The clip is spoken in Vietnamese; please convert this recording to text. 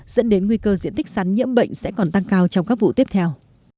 dẫn đến nguy cơ diện tích sắn nhiễm bệnh sẽ còn tăng cao trong các vụ tiếp theo